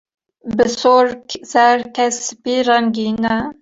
bi sor, zer, kesk, sipî rengîn e.